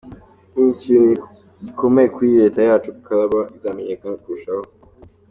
Ni ikintu gikomeye kuri leta yacu, Calabar izamenyekana kurushaho.